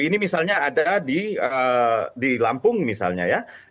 ini misalnya ada di lampung misalnya ya